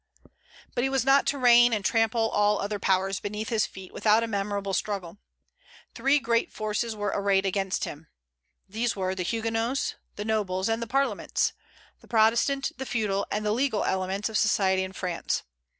But he was not to reign, and trample all other powers beneath his feet, without a memorable struggle. Three great forces were arrayed against him. These were the Huguenots, the nobles, and the parliaments, the Protestant, the feudal, and the legal elements of society in France.